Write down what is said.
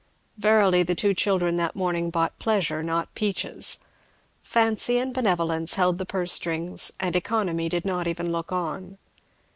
Verily the two children that morning bought pleasure, not peaches. Fancy and Benevolence held the purse strings, and Economy did not even look on.